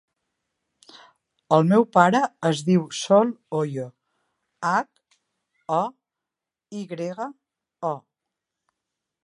El meu pare es diu Sol Hoyo: hac, o, i grega, o.